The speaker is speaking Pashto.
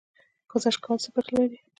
ګذشت کول څه ګټه لري؟